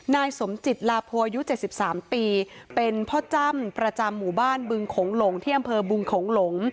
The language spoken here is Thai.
นายสมจิตลาโพอายุ๗๓ปีเป็นพ่อจ้ำประจำหมู่บ้านบึงโขงหลงที่อำเภอบึงโขงหลง